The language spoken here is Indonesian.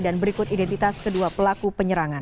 dan berikut identitas kedua pelaku penyerangan